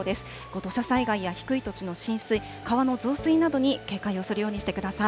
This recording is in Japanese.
土砂災害や低い土地の浸水、川の増水などに警戒をするようにしてください。